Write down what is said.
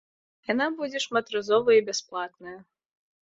Яна будзе шматразовая і бясплатная.